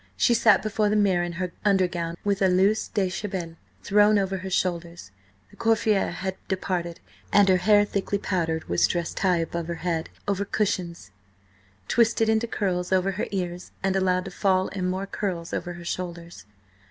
She sat before the mirror in her under gown, with a loose déshabillé thrown over her shoulders. The coiffeur had departed, and her hair, thickly powdered, was dressed high above her head over cushions, twisted into curls over her ears and allowed to fall in more curls over her shoulders.